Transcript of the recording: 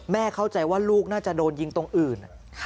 เข้าใจว่าลูกน่าจะโดนยิงตรงอื่น